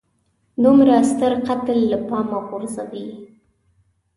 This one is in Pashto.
دومره ستر قتل له پامه وغورځوي.